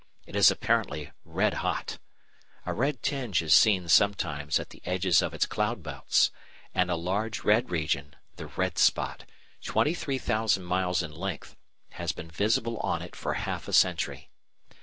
It is apparently red hot. A red tinge is seen sometimes at the edges of its cloud belts, and a large red region (the "red spot"), 23,000 miles in length, has been visible on it for half a century.